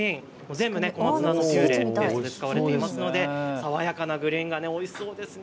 全部小松菜のピューレで作っておりますので、爽やかなグリーンがおいしそうですね。